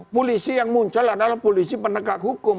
polisi yang muncul adalah polisi penegak hukum